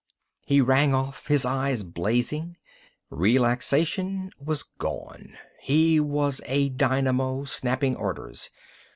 He rang off, his eyes blazing. Relaxation was gone. He was a dynamo, snapping orders.